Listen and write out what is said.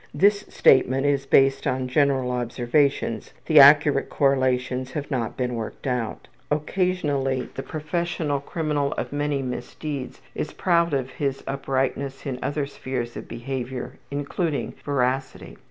This statement is based on general observations; the accurate correlations have not been worked up. Occasionally the professional criminal of many misdeeds is proud of his uprightness in other spheres of behavior, including veracity.